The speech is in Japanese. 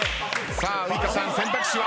さあウイカさん選択肢は。